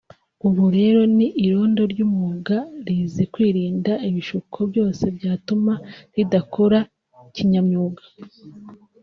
ubu rero ni irondo ry’umwuga rizi kwirinda ibishuko byose byatuma ridakora kinyamwuga